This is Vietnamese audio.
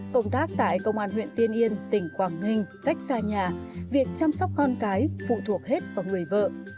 công tác tại công an huyện tiên yên tỉnh quảng ninh cách xa nhà việc chăm sóc con cái phụ thuộc hết vào người vợ